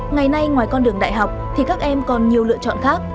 ngày nay ngoài con đường đại học thì các em còn nhiều lựa chọn khác